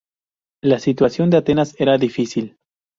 La situación de Atenas era difícil.